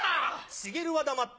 茂は黙って。